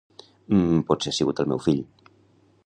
Mm potser ha sigut el meu fill.